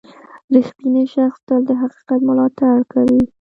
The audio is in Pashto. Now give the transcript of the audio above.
• رښتینی شخص تل د حقیقت ملاتړ کوي.